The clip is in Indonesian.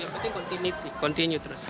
yang penting kontinu terus